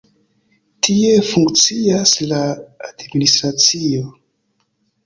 Tie funkcias la administracio.